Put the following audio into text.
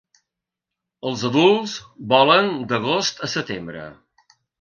Els adults volen d'agost a setembre.